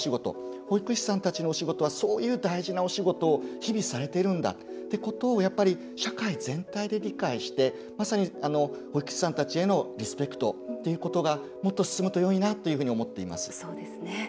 保育士さんたちのお仕事はそういう大事なお仕事を日々されているんだということを社会全体で理解して保育士さんたちへのリスペクトということがもっと進むといいなと思います。